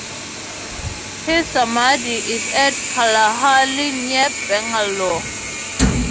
His "samadhi" is at Kallahalli near Bangalore.